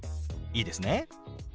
いいですね？